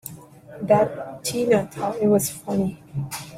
That Tina thought it was funny!